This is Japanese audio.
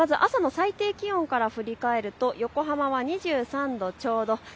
まず朝の最低気温から振り返ると横浜は２３度ちょうど。